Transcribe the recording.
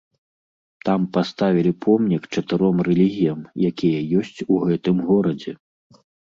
Там паставілі помнік чатыром рэлігіям, якія ёсць у гэтым горадзе.